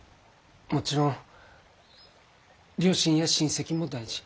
もちろん両親や親戚も大事。